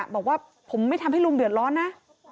บอกว่าผมไม่ทำให้ลุงเดือดร้อนนะ